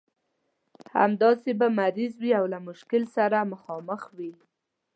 همداسې به مریض وي او له مشکل سره مخامخ وي.